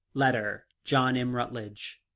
— Letter, John M. Rutledge, MS.